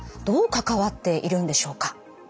どう関わっているんでしょうか？